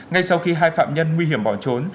ngay sau khi hai phạm nhân nguy hiểm bỏ trốn